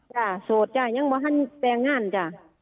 จ้าโสดจ้ายังแบ่งงานจ้า